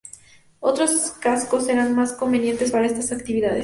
Otros cascos serán más convenientes para estas actividades.